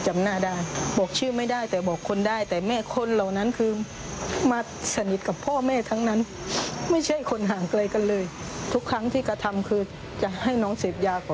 จำหน้าได้บอกชื่อไม่ได้แต่บอกคนได้แต่แม่คนเหล่านั้นคือมาสนิทกับพ่อแม่ทั้งนั้นไม่ใช่คนห่างไกลกันเลย